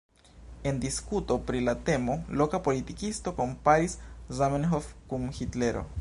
En diskuto pri la temo loka politikisto komparis Zamenhof kun Hitlero.